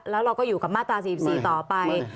แล้วเราก็อยู่กับมาตรา๔๔ต่อไป